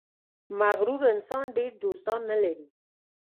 • مغرور انسان ډېر دوستان نه لري.